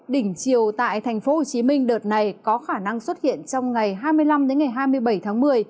đỉnh chiều tại thành phố hồ chí minh đợt này có khả năng xuất hiện trong ngày hai mươi năm đến ngày hai mươi bảy tháng